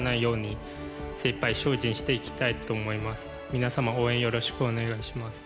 皆様応援よろしくお願いします。